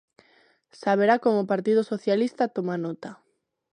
¡Xa verá como o Partido Socialista toma nota!